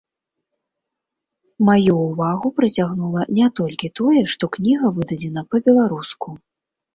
Маю ўвагу прыцягнула не толькі тое, што кніга выдадзена па-беларуску.